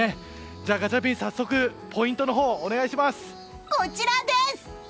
じゃあ、ガチャピン早速ポイントのほうお願いします。